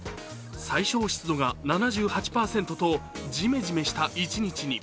最小湿度が７８％とジメジメした一日に。